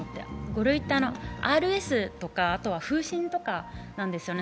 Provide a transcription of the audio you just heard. ５類てＲＳとか風疹とかないんですよね。